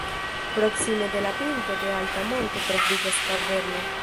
Proksime de la pinto de alta monto troviĝas kaverno.